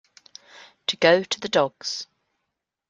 To go to the dogs.